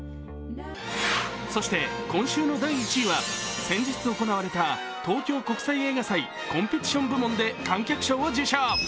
そして今週の第１位は先日行われた東京国際映画祭コンペティション部門で観客賞を受賞。